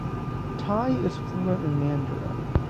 Tai is fluent in Mandarin.